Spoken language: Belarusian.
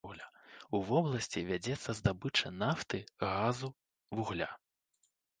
У вобласці вядзецца здабыча нафты, газу, вугля.